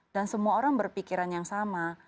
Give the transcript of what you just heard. dan semua orang berpikiran yang sama